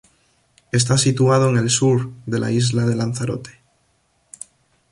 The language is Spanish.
Está situado en el sur de la isla de Lanzarote.